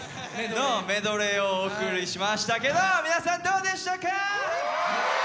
メドレーをお送りしましたけど皆さんどうでしたか？